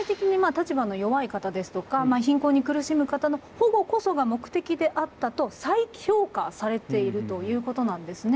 貧困に苦しむ方の保護こそが目的であったと再評価されているということなんですね。